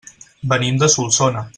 Venim de Solsona.